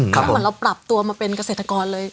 แล้วเหมือนเราปรับตัวมาเป็นเกษตรกรเลย